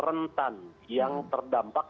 rentan yang terdampak